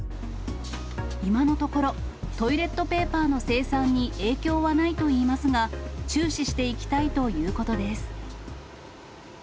今のところ、トイレットペーパーの生産に影響はないといいますが、注視していきたいということです。